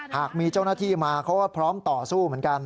หากมีเจ้าหน้าที่มาเขาก็พร้อมต่อสู้เหมือนกัน